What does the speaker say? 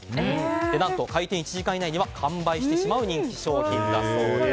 何と開店１時間以内には完売してしまう人気商品だそうです。